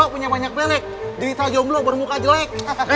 jomblo punya banyak belek dirita jomblo bermuka jelek